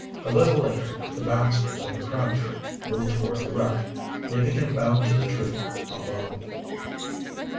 A little later the Baxters and Crabtree moved toward the wreck, leaving him bound to the tree, alone.